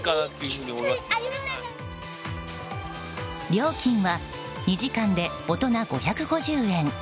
料金は２時間で大人５５０円。